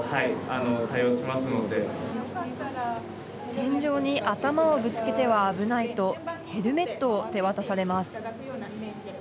天井に頭をぶつけては危ないとヘルメットを手渡されます。